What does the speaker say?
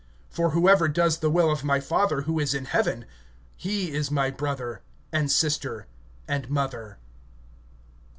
(50)For whoever shall do the will of my Father who is in heaven, he is my brother, and sister, and mother.